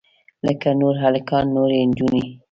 لکه نور هلکان نورې نجونې.